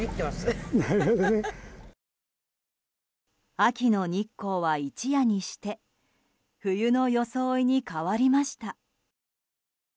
秋の日光は一夜にして冬の装いに変わりました。